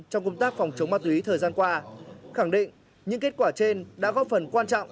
trong công tác phòng chống ma túy thời gian qua khẳng định những kết quả trên đã góp phần quan trọng